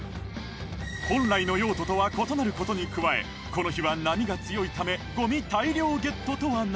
本来の用途とは異なる事に加えこの日は波が強いため